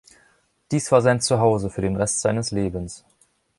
Dies war sein Zuhause für den Rest seines Lebens.